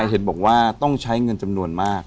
เห็นบอกว่าต้องใช้เงินจำนวนมาก